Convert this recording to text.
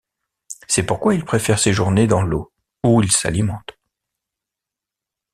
C'est pourquoi il préfère séjourner dans l'eau, où il s’alimente.